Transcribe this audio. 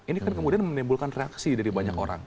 ini kemudian kan menimbulkan reaksi dari banyak orang